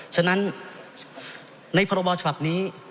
ฉะนั้นในพระบอบเฉพาะนี้